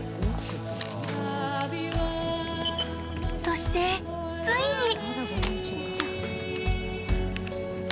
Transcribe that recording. そして、ついに。